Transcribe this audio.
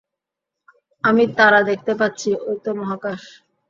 আমি তারা দেখতে পাচ্ছি, ঐতো মহাকাশ।